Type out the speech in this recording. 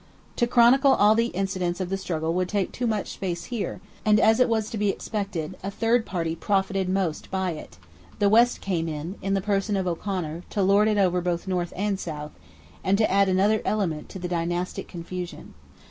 To chronicle all the incidents of the struggle would take too much space here; and, as was to be expected, a third party profited most by it; the West came in, in the person of O'Conor, to lord it over both North and South, and to add another element to the dynastic confusion.